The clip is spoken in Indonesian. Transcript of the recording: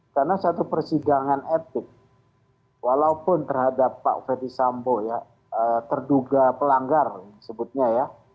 karena satu persidangan etik walaupun terhadap pak fethi sambu terduga pelanggar sebutnya ya